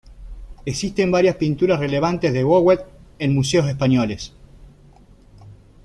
Existen varias pinturas relevantes de Vouet en museos españoles.